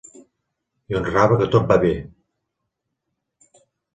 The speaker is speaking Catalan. I un rave que tot va bé!